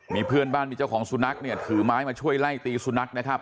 มีเพื่อนบ้านมีเจ้าของสุนัขเนี่ยถือไม้มาช่วยไล่ตีสุนัขนะครับ